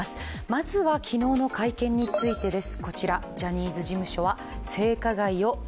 まずは昨日の会見についてです。